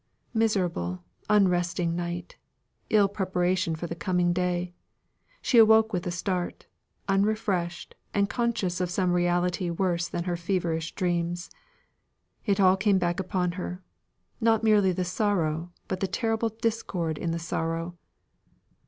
Miserable, unresting night! Ill preparation for the coming day! She awoke with a start, unrefreshed, and conscious of some reality worse even than her feverish dreams. It all came back upon her; not merely the sorrow, but the terrible discord in the sorrow.